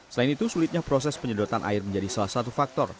selain itu sulitnya proses penyedotan air menjadi salah satu faktor